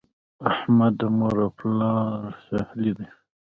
احمد د مور او پلار ښهلی دی.